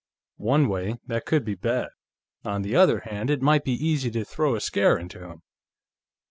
"One way, that could be bad. On the other hand, it might be easy to throw a scare into him....